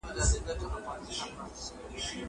زه به سبا ته فکر کوم.